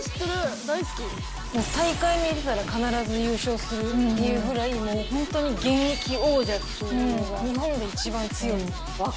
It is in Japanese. うん大会に出たら必ず優勝するっていうぐらいもうホントに現役王者っていうのがうん